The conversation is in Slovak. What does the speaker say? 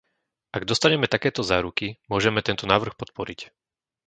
Ak dostaneme takéto záruky, môžeme tento návrh podporiť.